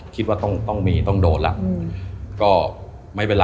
คิดว่าต้องมีต้องโดนละก็ไม่เป็นไร